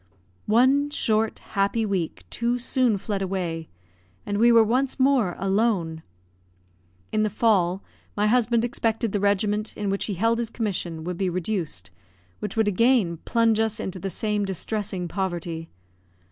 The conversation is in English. One short, happy week too soon fled away, and we were once more alone. In the fall, my husband expected the regiment in which he held his commission would be reduced, which would again plunge us into the same distressing poverty.